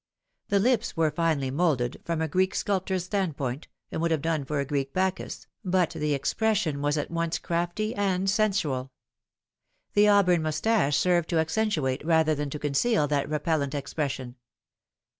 The lips were finely moulded, from a Greek sculptor's standpoint, and would have done for a Greek Bacchus, but the expression was at once crafty and sensual. The auburn moustache served to accentuate rather than to conceal that repellant expression.